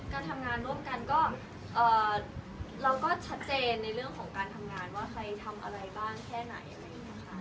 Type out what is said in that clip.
การทำงานร่วมกันก็เราก็ชัดเจนในเรื่องของการทำงานว่าใครทำอะไรบ้างแค่ไหน